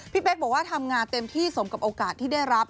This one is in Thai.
เป๊กบอกว่าทำงานเต็มที่สมกับโอกาสที่ได้รับ